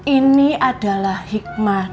ini adalah hikmah